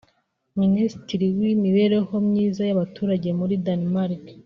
Minisitiri w’imibereho myiza y’abaturage muri Denmark